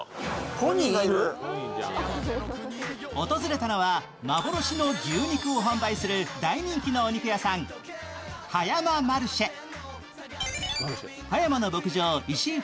訪れたのは幻の牛肉を販売する大人気のお肉屋さん、葉山マルシェ。